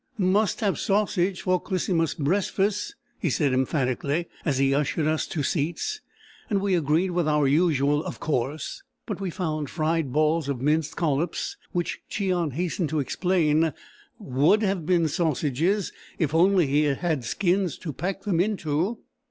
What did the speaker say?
Must have sausage for Clisymus bress fass," he said emphatically, as he ushered us to seats, and we agreed with our usual "Of course!" But we found fried balls of minced collops, which Cheon hastened to explain would have been sausages if only he had had skins to pack them into.